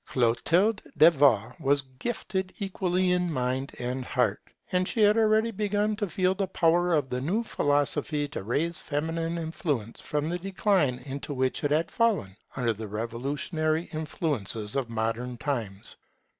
Clotilde de Vaux was gifted equally in mind and heart: and she had already begun to feel the power of the new philosophy to raise feminine influence from the decline into which it had fallen, under the revolutionary influences of modern times.